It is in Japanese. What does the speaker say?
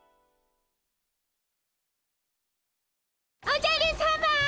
おじゃるさま！